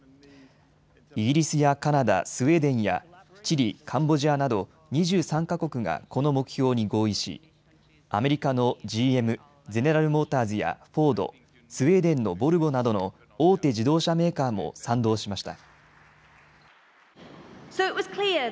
イギリスやカナダ、スウェーデンやチリ、カンボジアなど２３か国がこの目標に合意しアメリカのＧＭ・ゼネラル・モーターズやフォード、スウェーデンのボルボなどの大手自動車メーカーも賛同しました。